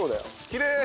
きれい！